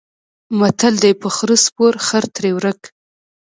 متل دی: په خره سپور خر ترې ورک.